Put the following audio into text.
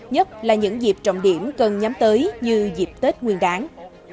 nhất là những dịp trọng điểm cần nhắm tới như dịp tết nguyên đáng